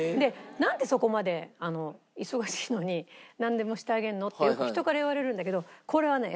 なんでそこまで忙しいのになんでもしてあげるの？ってよく人から言われるんだけどこれはね